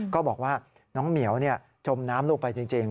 ก็บอกว่าน้องเหมียวจมน้ำลงไปจริง